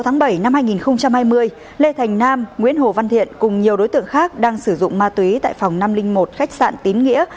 ngày bảy hai nghìn hai mươi lê thành nam nguyễn hồ văn thiện cùng nhiều đối tượng khác đang sử dụng ma túy tại phòng năm trăm linh một khách sạn tín nghĩa